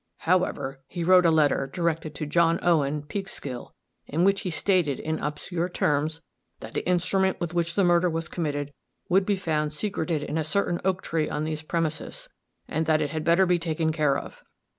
However, he wrote a letter, directed to John Owen, Peekskill, in which he stated in obscure terms, that the instrument with which the murder was committed would be found secreted in a certain oak tree on these premises, and that it had better be taken care of.